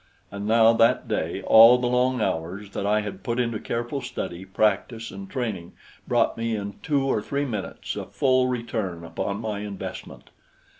And now, that day, all the long hours that I had put into careful study, practice and training brought me in two or three minutes a full return upon my investment.